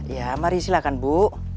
ya mari silahkan bu